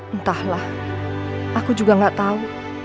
entahlah aku juga gak tahu